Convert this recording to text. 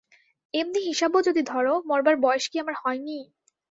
এমনি হিসাবও যদি ধরো, মরবার বয়েস কি আমার হয়নি?